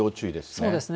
そうですね。